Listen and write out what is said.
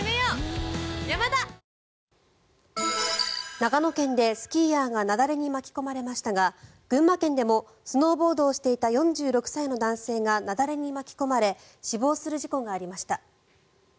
長野県でスキーヤーが雪崩に巻き込まれましたが群馬県でもスノーボードをしていた４６歳の男性が雪崩に巻き込まれ死亡する事故がありました。